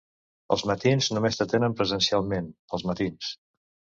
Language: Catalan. Els matins només t'atenen presencialment als matins.